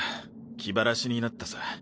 気晴らしになったさ。